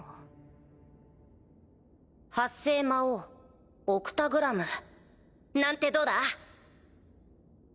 八星魔王オクタグラムなんてどうだ？